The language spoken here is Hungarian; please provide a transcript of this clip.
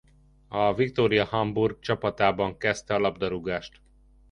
A Victoria Hamburg csapatában kezdte a labdarúgást.